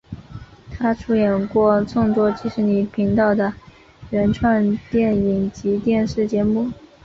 他出演过众多迪士尼频道的原创电影及电视节目。